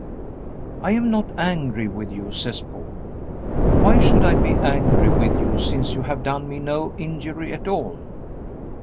"I am not angry with you," says Paul. "Why should I be angry with you, since you have done me no injury at all?"